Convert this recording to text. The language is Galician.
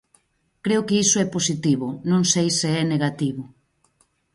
Creo que iso é positivo, non sei se é negativo.